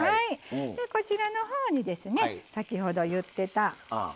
こちらのほうにですね先ほど言ってた。